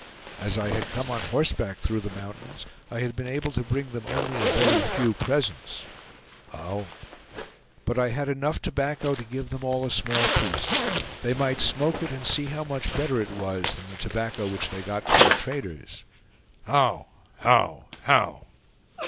"As I had come on horseback through the mountains, I had been able to bring them only a very few presents." "How!" "But I had enough tobacco to give them all a small piece. They might smoke it, and see how much better it was than the tobacco which they got from the traders." "How! how! how!"